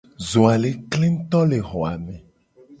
Zo a le kle nguto le xo a me.